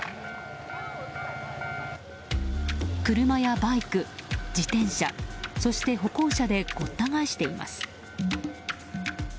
車やバイク、自転車そして歩行者でごった返しています。